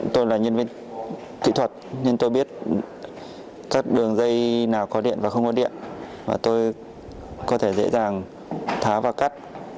điện nào có điện và không có điện tôi có thể dễ dàng thá và cắt